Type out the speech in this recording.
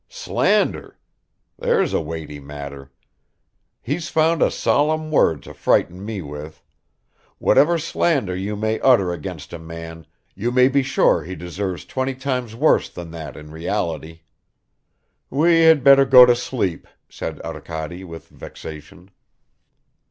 "Slander? There's a weighty matter. He's found a solemn word to frighten me with. Whatever slander you may utter against a man, you may be sure he deserves twenty times worse than that in reality." "We had better go to sleep," said Arkady with vexation.